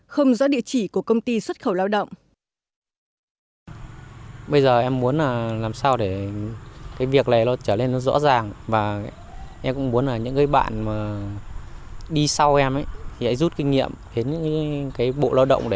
không rõ địa chỉ của công ty xuất khẩu lao động